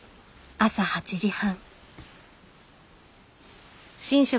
朝８時半。